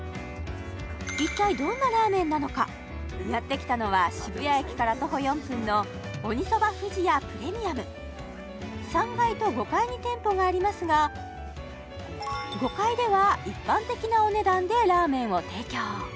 一体どんなラーメンなのかやってきたのは渋谷駅から徒歩４分の３階と５階に店舗がありますが５階では一般的なお値段でラーメンを提供